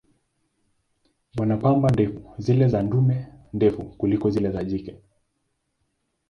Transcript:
Wana pamba ndefu, zile za dume ndefu kuliko zile za jike.